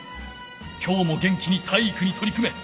きょうも元気に体育にとり組め！